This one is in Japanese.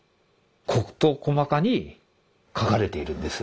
事細かに書かれているんです。